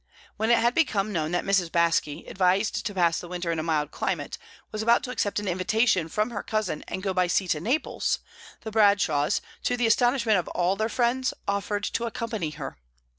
When it had become known that Mrs. Baske, advised to pass the winter in a mild climate, was about to accept an invitation from her cousin and go by sea to Naples, the Bradshaws, to the astonishment of all their friends, offered to accompany her.